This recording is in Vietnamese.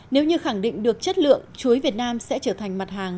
nếu như khẳng định được chất lượng chuối việt nam sẽ trở thành mặt hàng